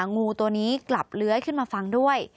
งูตัวนี้กลับเลื้อยขึ้นมาฟังด้วย